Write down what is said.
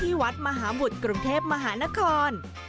ที่วัดมหาหมุดกรุงเทพฯมหานคร